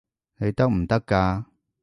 你得唔得㗎？